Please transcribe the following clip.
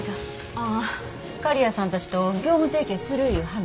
ああ刈谷さんたちと業務提携するいう話？